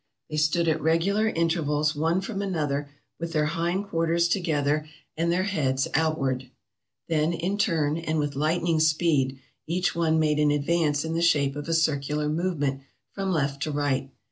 They stood at regular intervals one from another, with their hind 496 TRAVELERS AND EXPLORERS quarters together, and their heads outwards. Then in turn, and with lightning speed, each one made an advance in the shape of a circular movement from left to right.